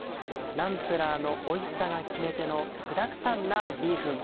ナンプラーのおいしさが決め手の具だくさんなビーフン。